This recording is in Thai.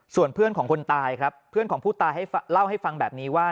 ส่วนเพื่อนของคนตายครับเพื่อนของผู้ตายให้เล่าให้ฟังแบบนี้ว่า